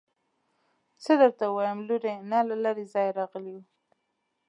څه درته ووايم لورې نه له لرې ځايه راغلي يو.